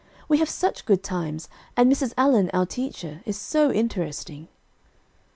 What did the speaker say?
We have such good times, and Mrs. Allen, our teacher, is so interesting."